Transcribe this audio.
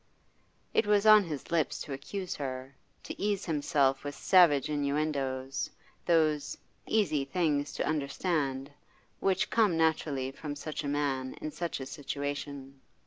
It was on his lips to accuse her, to ease himself with savage innuendoes, those 'easy things to understand' which come naturally from such a man in such a situation.